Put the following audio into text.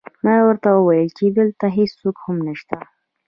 ما ورته وویل چې دلته هېڅوک هم نشته